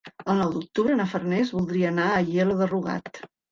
El nou d'octubre na Farners voldria anar a Aielo de Rugat.